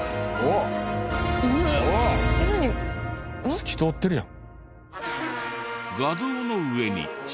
透き通ってるやん。